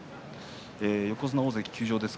横綱、大関休場です。